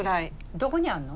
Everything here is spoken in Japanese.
どこにあんの？